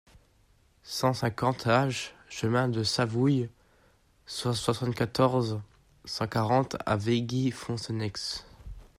cent cinquante H chemin de Savouille, soixante-quatorze, cent quarante à Veigy-Foncenex